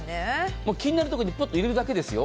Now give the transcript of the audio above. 気になるところにポッと入れるだけですよ。